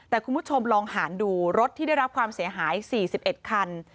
แต่คุณผู้ชมลองหารดูรถที่ได้รับความเสียหาย๔๑คัน